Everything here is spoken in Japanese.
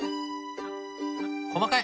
細かい。